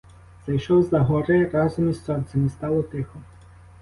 Зайшов за гори разом із сонцем — і стало тихо.